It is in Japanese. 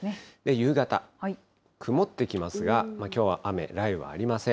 夕方、曇ってきますが、きょうは雨、雷雨はありません。